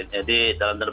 jadi dalam terpaksa